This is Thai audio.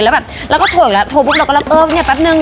แล้วแบบเราก็โทรอยู่แล้วโทรปุ๊บเราก็รับเออเนี่ยแป๊บนึง